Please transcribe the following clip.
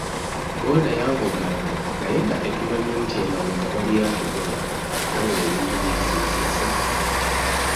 Bbooda yanvuganga naye nga tetumanyi nti emabega waliyo atugoba. Wabula ebintu by'ensi bisesa!